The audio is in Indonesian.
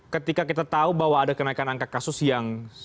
ketika kita tahu bahwa ada kenaikan angka kasus yang